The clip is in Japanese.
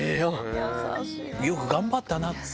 よく頑張ったな。